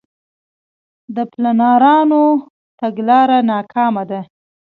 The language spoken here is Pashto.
د پلانرانو تګلاره ناکامه ده.